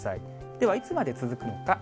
ではいつまで続くのか。